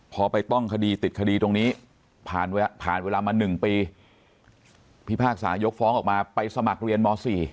พอไปต้องคดีติดคดีตรงนี้ผ่านเวลามา๑ปีพิพากษายกฟ้องออกมาไปสมัครเรียนม๔